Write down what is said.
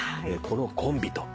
このコンビと。